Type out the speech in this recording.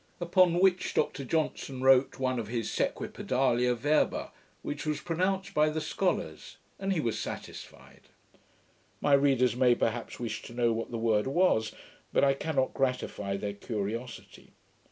Upon which Dr Johnson wrote one of his sequipedalia verba, which was pronounced by the scholars, and he was satisfied. My readers may perhaps wish to know what the word was; but I cannot gratify their curiosity.